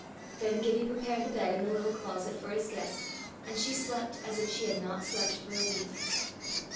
Then Gibbie prepared the bed in the little closet for his guest and she slept as if she had not slept for a week.